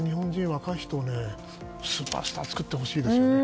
若い人スーパースターを作ってほしいですね。